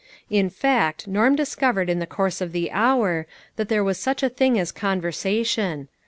In fact, Norm discovered in the course of the hour that there was such a thing as conversation.